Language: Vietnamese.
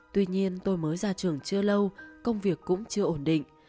tuy nhiên tôi mới ra trường chưa lâu công việc cũng chưa ổn định